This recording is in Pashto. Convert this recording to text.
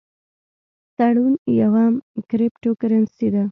ټرون یوه کریپټو کرنسي ده